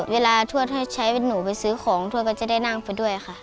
ทวดให้ใช้เป็นหนูไปซื้อของทวดก็จะได้นั่งไปด้วยค่ะ